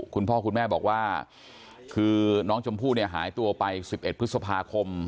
คุณพ่อคุณแม่บอกว่าคือน้องชมพู่เนี่ยหายตัวไป๑๑พฤษภาคม